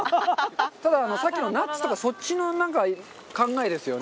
たださっきのナッツとかそっちの考えですよね。